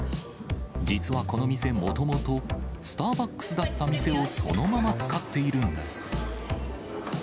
実はこの店、もともと、スターバックスだった店をそのまま使っているんです。